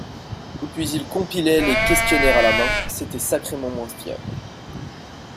Et puis ils compilaient les questionnaires à la main, c’était sacrément moins fiable.